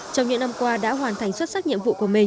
trong những năm qua đã hoàn thành xuất sắc nhiệm vụ của mình